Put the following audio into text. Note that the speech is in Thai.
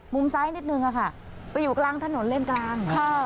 มุมซ้ายนิดนึงค่ะไปอยู่กลางถนนเลนกลาง